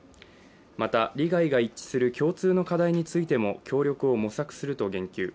また、利害が一致する共通の課題についても協力を模索すると言及。